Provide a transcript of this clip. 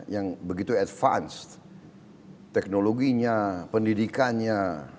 yang begitu advance teknologinya pendidikannya